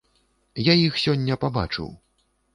Я іх сёння пабачыў.